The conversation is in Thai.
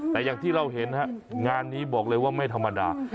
แต่อย่างที่เราเห็นฮะงานนี้บอกเลยว่าไม่ธรรมดา